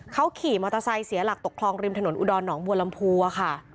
เขาขี่มอเตอร์ไซค์เสียหลักตกคลองริมถนนอุดรหนองบัวลำพูอะค่ะ